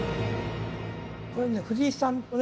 これね藤井さんとね